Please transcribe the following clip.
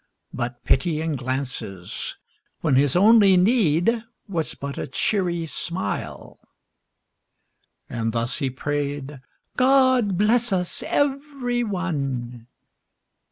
But pitying glances, when his only need Was but a cheery smile. And thus he prayed, " God bless us every one!"